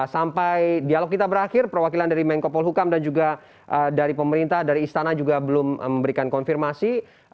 sampai dialog kita berakhir perwakilan dari menko polhukam dan juga dari pemerintah dari istana juga belum memberikan konfirmasi